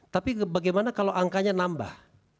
tapi bagaimana kalau angkanya nambah